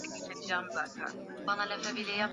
kwa kila inchi ya mraba Kutokana na jinsi